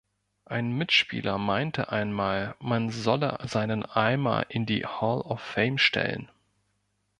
Ein Mitspieler meinte einmal, man solle seinen Eimer in die Hall of Fame stellen.